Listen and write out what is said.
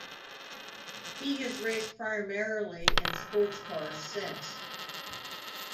He has raced primarily in sports cars since.